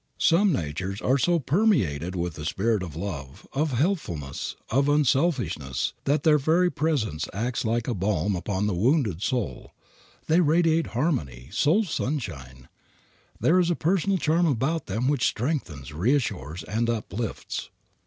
Some natures are so permeated with the spirit of love, of helpfulness, of unselfishness, that their very presence acts like a balm upon the wounded soul. They radiate harmony, soul sunshine. There is a personal charm about them which strengthens, reassures, and uplifts.